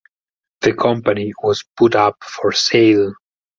The company was put up for sale.